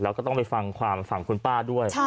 แล้วก็ต้องไปฟังความฝั่งคุณป้าด้วย